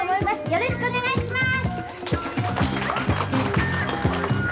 よろしくお願いします！